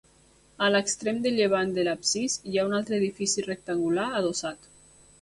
A l'extrem de llevant de l'absis hi ha un altre edifici rectangular adossat.